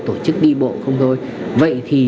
tổ chức đi bộ không thôi vậy thì